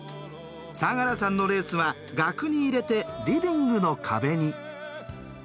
相楽さんのレースは額に入れてリビングの壁に。